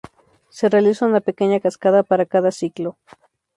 Se realiza una pequeña cascada para cada ciclo.